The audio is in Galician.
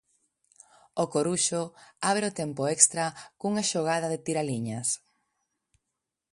O Coruxo abre o tempo extra cunha xogada de tiraliñas.